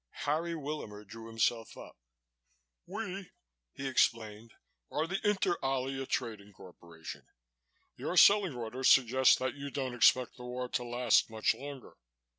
Harry Willamer drew himself up, "We," he explained, "are the Inter Alia Trading Corporation. Your selling orders suggest that you don't expect the war to last much longer."